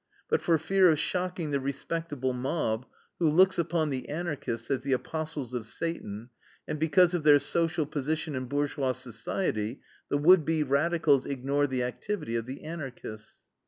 But for fear of shocking the respectable mob, who looks upon the Anarchists as the apostles of Satan, and because of their social position in bourgeois society, the would be radicals ignore the activity of the Anarchists.